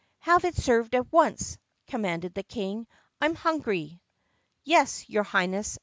" '"Have it served at once!" commanded the King. "I'm hungry." "Yes, your Highness!"